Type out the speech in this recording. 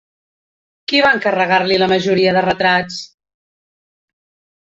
Qui va encarregar-li la majoria de retrats?